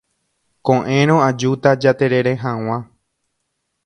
Ko'ẽrõ ajúta jaterere hag̃ua.